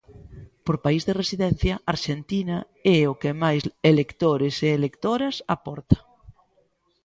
Por país de residencia, Arxentina é o que máis electores e electoras aporta.